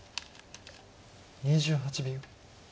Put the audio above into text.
２８秒。